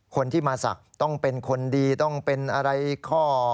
คนที่มาศักดิ์ต้องเป็นคนดีต้องเป็นอะไรข้อ